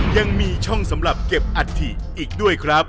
ยังมีช่องสำหรับเก็บอัฐิอีกด้วยครับ